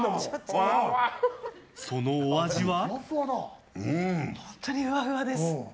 そのお味は。